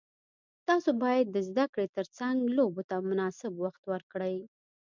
تاسو باید د زده کړې ترڅنګ لوبو ته مناسب وخت ورکړئ.